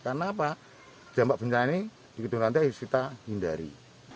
karena apa dampak banjir ini di gedung rantai harus kita hindari